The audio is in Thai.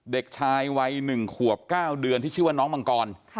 เด็กชายวัย๑ขวบ๙เดือนที่ชื่อว่าน้องมังกร